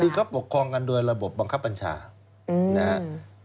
คือเขาปกครองกันโดยระบบบังคับบัญชานะครับ